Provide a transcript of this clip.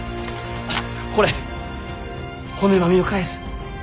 これ骨喰を返す。